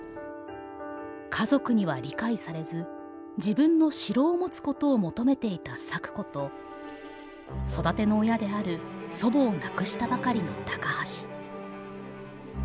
家族には理解されず自分の城を持つことを求めていた咲子と育ての親である祖母を亡くしたばかりの高橋。